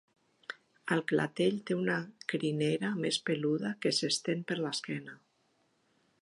Al clatell té una crinera més peluda que s'estén per l'esquena.